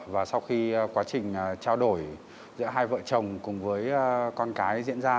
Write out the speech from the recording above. và sau khi quá trình trao đổi giữa hai vợ chồng cùng với con cái diễn ra